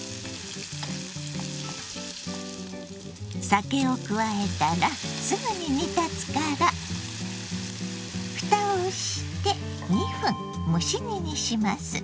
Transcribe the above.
酒を加えたらすぐに煮立つからふたをして２分蒸し煮にします。